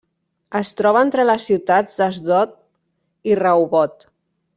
Es troba entre les ciutats d'Asdod i Rehovot.